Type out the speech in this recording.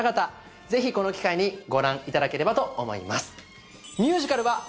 ぜひこの機会にご覧いただければと思います